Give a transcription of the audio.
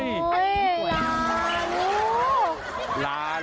โอ้ยลานู